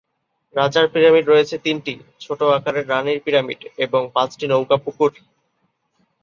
রাজার পিরামিড রয়েছে তিনটি ছোট আকারের রানীর পিরামিড এবং পাঁচটি নৌকা পুকুর।